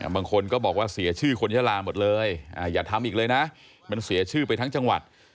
บางคนก็บอกว่าเสียชื่อคนยาลาหมดเลยอย่าทำอีกเลยนะมันเสียชื่อไปทั้งจังหวัด